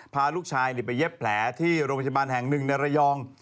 พาลูกชายไปเย็บแผลที่โรงพยาบาลแห่งหนึ่งในระยอง